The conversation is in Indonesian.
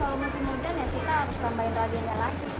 kalau musim hujan ya kita harus tambahin radennya lagi